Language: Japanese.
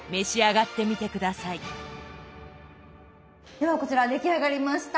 ではこちら出来上がりました。